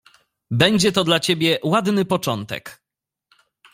"Będzie to dla ciebie ładny początek."